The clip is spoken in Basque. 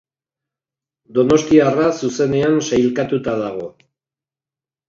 Donostiarra zuzenean sailkatuta dago.